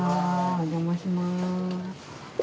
お邪魔します。